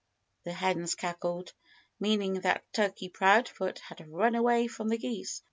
the hens cackled, meaning that Turkey Proudfoot had run away from the geese.